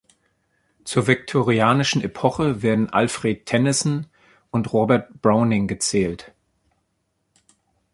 Zur viktorianischen Epoche werden Alfred Tennyson und Robert Browning gezählt.